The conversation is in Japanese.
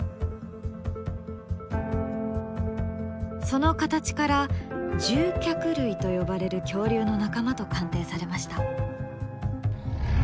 その形から獣脚類と呼ばれる恐竜の仲間と鑑定されました。